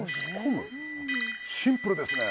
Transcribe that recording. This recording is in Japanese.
シンプルですね！